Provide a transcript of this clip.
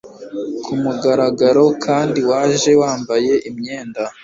kumugaragaro, kandi waje wambaye imyenda